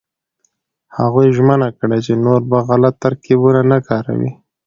هغوی ژمنه کړې چې نور به غلط ترکيبونه نه کاروي.